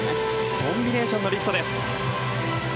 コンビネーションのリフトです。